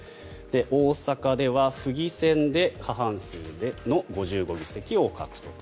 大阪では府議選で過半数の５５議席を獲得。